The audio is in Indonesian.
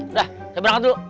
udah saya berangkat dulu